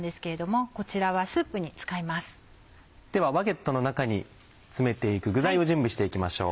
ではバゲットの中に詰めて行く具材を準備して行きましょう。